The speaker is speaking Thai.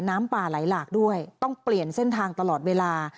น้ำป่าไหลหลากด้วยต้องเปลี่ยนเส้นทางตลอดเวลา